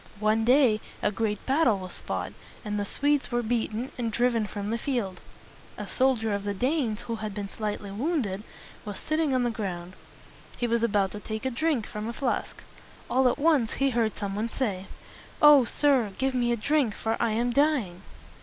One day a great battle was fought, and the Swedes were beaten, and driven from the field. A soldier of the Danes who had been slightly wounded was sitting on the ground. He was about to take a drink from a flask. All at once he heard some one say, "O sir! give me a drink, for I am dying."